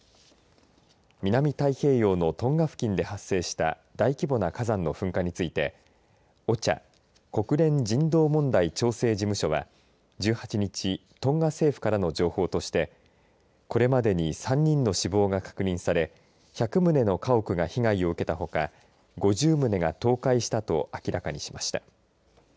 南太平洋のトンガ付近で発生した大規模な火山の噴火についてＯＣＨＡ国連人道問題調整事務所は１８日トンガ政府からの情報としてこれまでに３人の死亡が確認され１００棟の家屋が被害を受けたほか５０棟が倒壊したと明らかにしました。